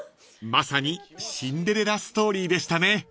［まさにシンデレラストーリーでしたね］